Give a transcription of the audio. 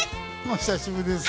お久しぶりです！